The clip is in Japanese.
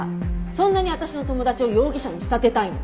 そんなに私の友達を容疑者に仕立てたいの？